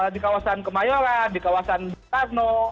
di kawasan kemayoran di kawasan bung karno